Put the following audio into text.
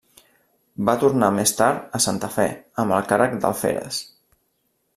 Va tornar més tard a Santa Fe amb el càrrec d'alferes.